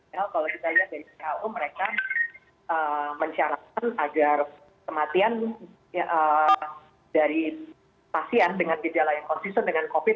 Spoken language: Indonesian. kalau kita lihat dari who mereka mensyaratkan agar kematian dari pasien dengan gejala yang konsisten dengan covid